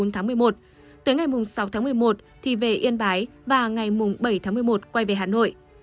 tới ngày sáu một mươi một thì về yên bái và ngày bảy một mươi một quay về hà nội